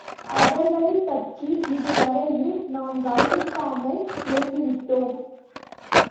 அவர்களைப்பற்றி இதுவரையில் நாம் கவனிக்காமல் இருந்துவிட்டோம்.